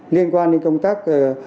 liên quan đến công tác